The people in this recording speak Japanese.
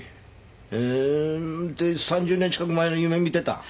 へえ３０年近く前の夢見てた？